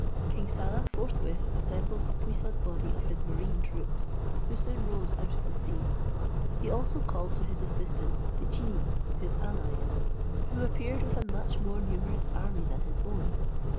King Saleh forthwith assembled a puissant body of his marine troops, who soon rose out of the sea. He also called to his assistance the genii his allies, who appeared with a much more numerous army than his own.